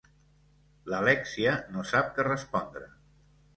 L'Alèxia no sap què respondre.